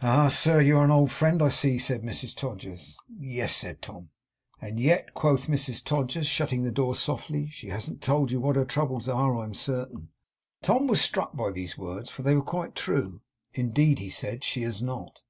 'Ah, sir! You are an old friend, I see,' said Mrs Todgers. 'Yes,' said Tom. 'And yet,' quoth Mrs Todgers, shutting the door softly, 'she hasn't told you what her troubles are, I'm certain.' Tom was struck by these words, for they were quite true. 'Indeed,' he said, 'she has not.